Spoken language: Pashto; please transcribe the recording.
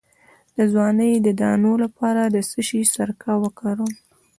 د ځوانۍ د دانو لپاره د څه شي سرکه وکاروم؟